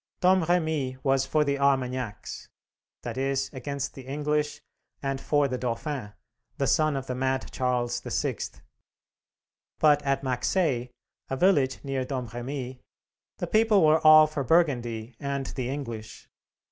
Domremy was for the Armagnacs that is, against the English and for the Dauphin, the son of the mad Charles VI. But at Maxey, a village near Domremy, the people were all for Burgundy and the English.